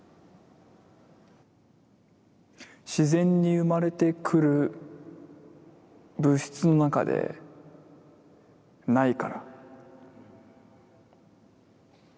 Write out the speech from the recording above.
自然に生まれてくる物質の中でないから。